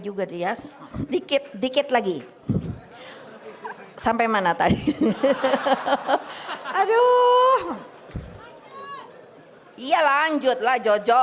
juga dia dikit dikit lagi sampai mana tadi aduh iya lanjutlah jojo